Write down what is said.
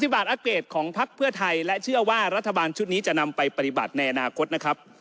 บาทอาเกตของพักเพื่อไทยและเชื่อว่ารัฐบาลชุดนี้จะนำไปปฏิบัติในอนาคตนะครับ